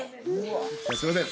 すいません